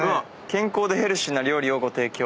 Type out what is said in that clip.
「健康でヘルシーなお料理をご提供！」